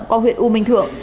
qua huyện u minh thượng